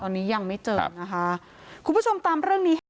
ตอนนี้ยังไม่เจอนะคะคุณผู้ชมตามเรื่องนี้ให้